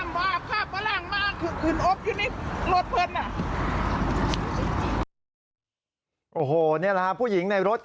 มาร่าควาสค่าพอมาร่าคว่าคืนโอฟแซมรถสุด